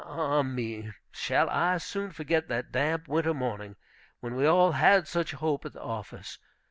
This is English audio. Ah me! shall I soon forget that damp winter morning, when we all had such hope at the office.